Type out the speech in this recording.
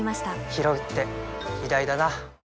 ひろうって偉大だな